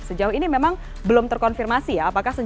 sejauh ini memang belum terkonfirmasi ya apakah senjata ini diperoleh